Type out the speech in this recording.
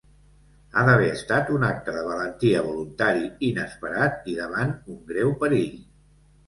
Ha d'haver estat un acte de valentia voluntari inesperat i davant un greu perill.